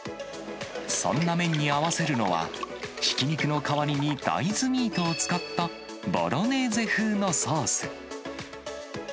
そんな麺に合わせるのは、ひき肉の代わりに大豆ミートを使った、ボロネーゼ風のソース。